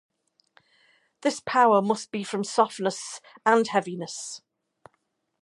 This power must be from softness and heaviness.